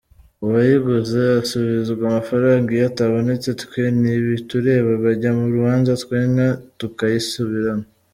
Uwayiguze asubizwa amafaranga iyo atabonetse twe ntibitureba bajya mu rubanza twe inka tukayisubirana.